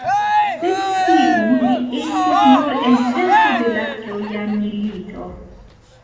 Sed tiu li estis nur en tempo de la Troja milito.